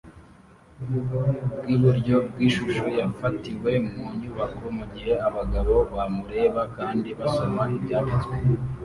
bwiburyo bwishusho yafatiwe mu nyubako mugihe abagabo bamureba kandi basoma ibyanditswe